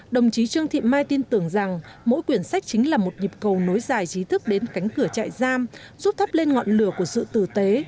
đồng chí trương thị mai tin tưởng rằng mỗi quyển sách chính là một nhịp cầu nối dài trí thức đến cánh cửa trại giam giúp thắp lên ngọn lửa của sự tử tế